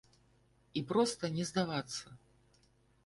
І проста не здавацца!